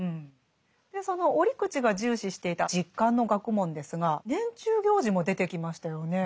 その折口が重視していた実感の学問ですが年中行事も出てきましたよね。